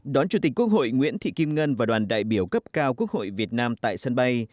đón chủ tịch quốc hội nguyễn thị kim ngân và đoàn đại biểu cấp cao quốc hội việt nam tại sân bay